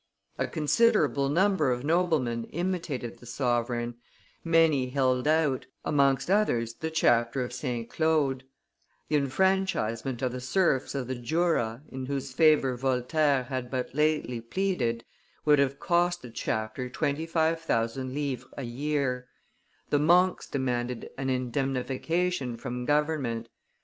A considerable number of noblemen imitated the sovereign; many held out, amongst others the chapter of St. Claude; the enfranchisement of the serfs of the Jura, in whose favor Voltaire had but lately pleaded, would have cost the chapter twenty five thousand livres a year; the monks demanded an indemnification from government.